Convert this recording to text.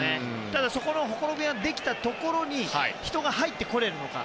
ただ、そこのほころびができたところに人が入ってこられるのか。